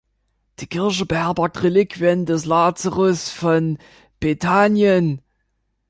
Die Kirche beherbergt Reliquien des Lazarus von Bethanien.